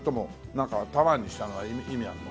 なんかタワーにしたのは意味あるの？